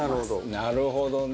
なるほどね。